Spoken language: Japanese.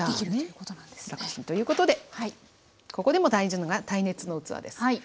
楽ちんということでここでも大事なのが耐熱の器です。